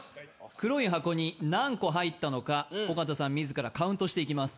黒い箱に何個入ったのか尾形さん自らカウントしていきます